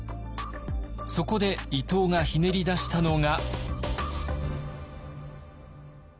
そこで伊藤がひねり出したのが。